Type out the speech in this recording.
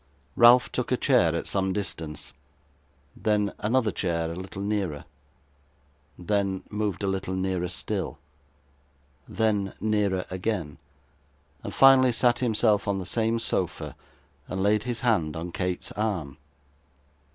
Ralph took a chair at some distance; then, another chair a little nearer; then, moved a little nearer still; then, nearer again, and finally sat himself on the same sofa, and laid his hand on Kate's arm.